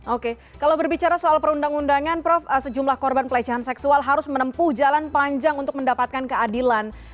oke kalau berbicara soal perundang undangan prof sejumlah korban pelecehan seksual harus menempuh jalan panjang untuk mendapatkan keadilan